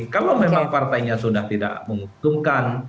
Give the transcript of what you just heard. kalau memang partainya sudah tidak menguntungkan